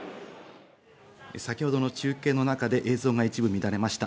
先ほどの中継の中で一部映像が乱れました。